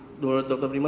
menurut dr prima